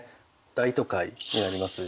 大都会になります。